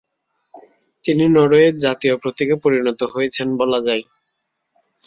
তিনি নরওয়ের জাতীয় প্রতীকে পরিণত হয়েছেন বলা যায়।